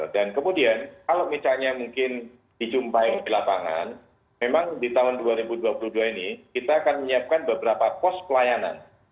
dan kemudian kalau misalnya mungkin dijumpai di lapangan memang di tahun dua ribu dua puluh dua ini kita akan menyiapkan beberapa pos pelayanan